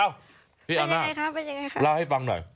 อ้าวพี่อันน่าเล่าให้ฟังหน่อย